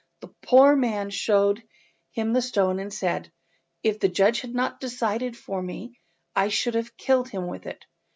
The poor man showed him the stone, and said— "If the judge had not decided for me I should have killed him with it."